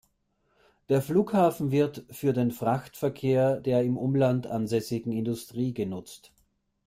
Der Flughafen wird für den Frachtverkehr der im Umland ansässigen Industrie genutzt.